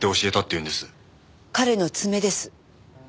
彼の爪です。